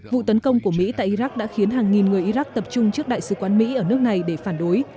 vụ tấn công của mỹ tại iraq đã khiến hàng nghìn người iraq tập trung trước đại sứ quán mỹ ở nước này để phản đối